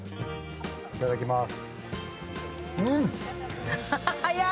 いただきまーす。